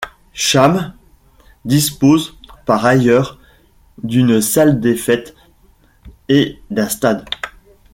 Chammes dispose par ailleurs d'une salle des fêtes et d'un stade.